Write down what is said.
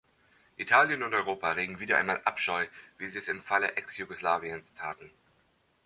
Italien und Europa erregen wieder einmal Abscheu, wie sie es im Falle Ex-Jugoslawiens taten.